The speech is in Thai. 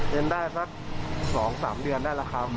เรียนได้สัก๒๓เดือนได้แล้วครับ